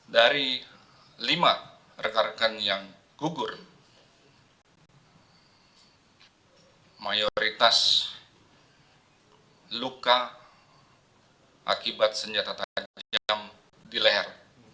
dari lima rekan rekan yang gugur mayoritas luka akibat senjata tajam jam di leher